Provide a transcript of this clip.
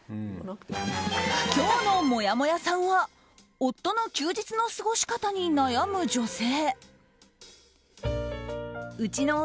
今日のもやもやさんは夫の休日の過ごし方に悩む女性。